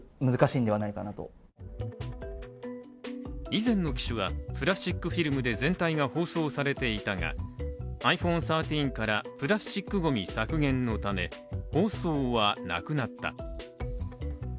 以前の機種はプラスチックフィルムで全体が包装されていたが、ｉＰｈｏｎｅ１３から、プラスチックごみ削減のため包装はなくなった。